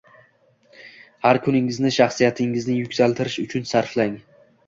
Har kuningizni shaxsiyatingizni yuksaltirish uchun sarflang